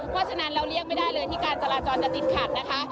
ขอให้ทุกคนมาเที่ยวเชียงใหม่ได้นะคะ